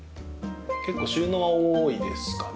結構収納は多いですかね。